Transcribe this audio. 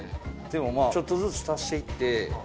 でもまあちょっとずつ足していって。